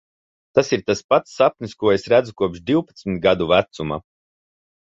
Tas ir tas pats sapnis, ko es redzu kopš divpadsmit gadu vecuma.